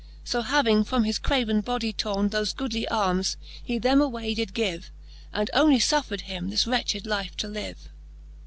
So having from his craven bodie torne Thofe goodly armes, he them away did give, And onely fuffred him this wretched life to live.